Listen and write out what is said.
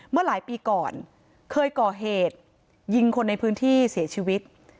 เมื่อหลายปีก่อนเคยก่อเหตุยิงคนในพื้นที่เสียชีวิต